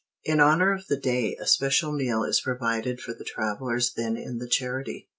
In honor of the day a special meal is provided for the travelers then in the charity.